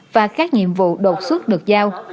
và các nhiệm vụ đột xuất được giao